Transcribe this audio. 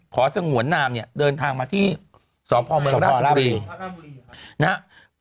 ขอสงวนนามเนี่ยเดินทางมาที่สพเมราชบุรี